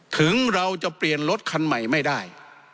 ถึงเราจะเปลี่ยนรถคันใหม่ไม่ได้